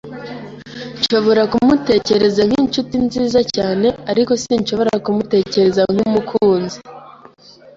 Nshobora kumutekereza nkinshuti nziza cyane, ariko sinshobora kumutekereza nkumukunzi.